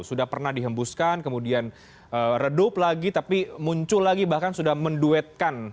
sudah pernah dihembuskan kemudian redup lagi tapi muncul lagi bahkan sudah menduetkan